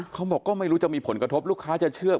เขาบอกก็ไม่รู้จะมีผลกระทบลูกค้าจะเชื่อ